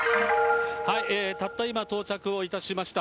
たった今、到着をいたしました。